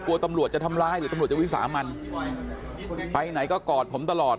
กลัวตำรวจจะทำร้ายหรือตำรวจจะวิสามันไปไหนก็กอดผมตลอด